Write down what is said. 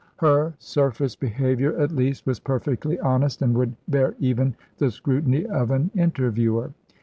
Her surface behaviour, at least, was perfectly honest, and would bear even the scrutiny of an interviewer.